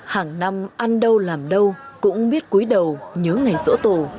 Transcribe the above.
hàng năm ăn đâu làm đâu cũng biết cuối đầu nhớ ngày sổ tổ